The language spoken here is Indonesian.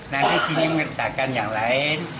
nanti sini mengerjakan yang lain